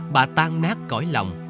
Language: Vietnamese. bà tan nát cõi lòng